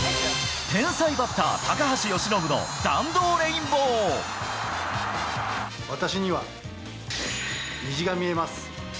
天才バッター、高橋由伸の、私には、虹が見えます！